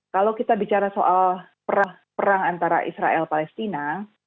kalau kita bicara soal perang antara israel palestina